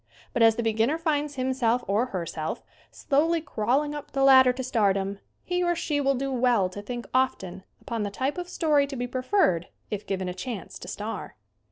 But as the beginner finds himself or herself slowly crawling up the lad der to stardom he or she will do well to think often upon the type of story to be preferred if given a chance to star.